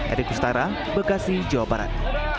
erik kustara bekasi jawa barat